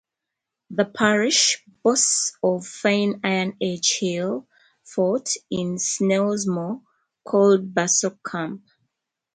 The parish boasts a fine Iron Age hill fort in Snelsmore, called Bussock Camp.